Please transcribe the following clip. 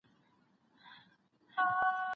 ولي د ژباړن درلودل د محاکمې پر مهال حق دی؟